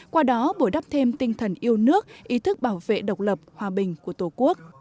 qua đó bổ đắp thêm tinh thần yêu nước ý thức bảo vệ độc lập hòa bình của tổ quốc